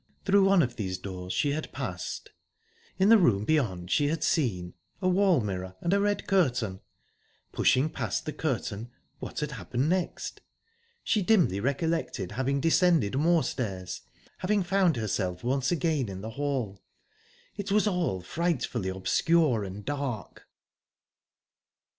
Through one of these doors she had passed. In the room beyond she had seen...a wall mirror...and a red curtain. Pushing past the curtain what had happened next?...She dimly recollected having descended more stairs having found herself once again in the hall...It was all frightfully obscure and dark!